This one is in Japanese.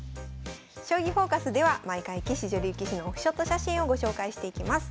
「将棋フォーカス」では毎回棋士女流棋士のオフショット写真をご紹介していきます。